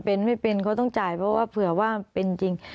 เป็นไม่เป็นเขาต้องจ่ายเพราะว่าเผื่อว่าเป็นจริง